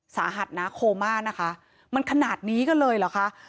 สาหัสนะโคม่านะคะมันขนาดนี้ก็เลยเหรอคะ